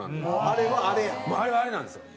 あれはあれなんですよ。